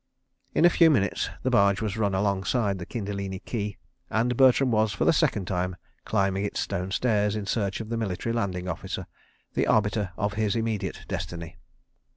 ... In a few minutes the barge was run alongside the Kilindini quay, and Bertram was, for the second time, climbing its stone stairs, in search of the Military Landing Officer, the arbiter of his immediate destiny.